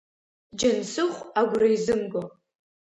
Џьансыхә агәра изымго.